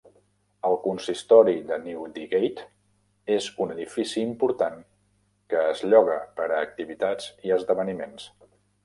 El consistori de Newdigate és un edifici important que es lloga per a activitats i esdeveniments.